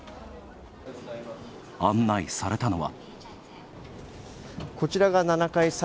案内されたのは。